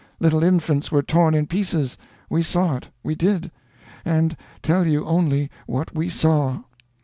Little infants were torn in pieces. We saw it; we did; and tell you only what we saw.